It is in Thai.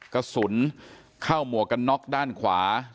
กระสุนเข้าหมวกกันน็อกด้านขวา